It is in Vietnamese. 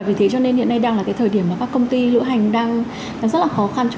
vì thế cho nên hiện nay đang là cái thời điểm mà các công ty lữ hành đang rất là khó khăn